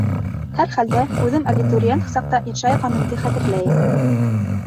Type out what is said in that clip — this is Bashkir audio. Һәр хәлдә, үҙем абитуриент саҡта инша яҙғанымды хәтерләйем.